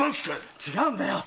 〔違うんだよ！